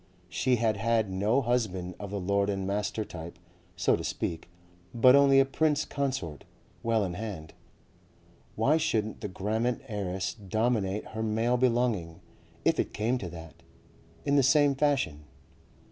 She had had no husband of the lord and master type, so to speak, but only a Prince Consort, well in hand. Why shouldn't the Grammont heiress dominate her male belonging, if it came to that, in the same fashion?